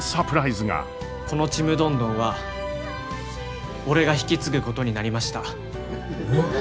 このちむどんどんは俺が引き継ぐことになりました。